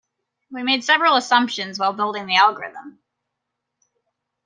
We made several assumptions while building the algorithm.